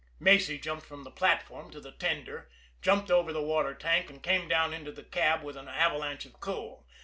Macy jumped from the platform to the tender, jumped over the water tank, and came down into the cab with an avalanche of coal.